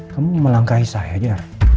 kamu melangkahi saya aja